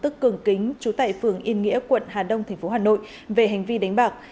cường kính trú tại phường yên nghĩa quận hà đông thành phố hà nội về hành vi đánh bạc